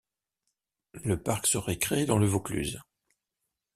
Le parc serait créé dans le Vaucluse.